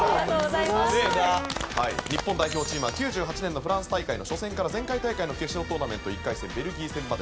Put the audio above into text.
さすが！日本代表チームは９８年のフランス大会の初戦から前回大会の決勝トーナメント１回戦ベルギー戦まで全２１試合